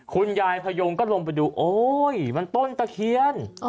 คุณยายพยงก็ลงไปดูโอ๊ยมันต้นตะเคียน